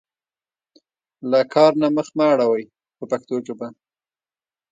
له کار نه مخ مه اړوئ په پښتو ژبه.